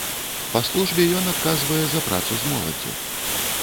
Па службе ён адказвае за працу з моладдзю.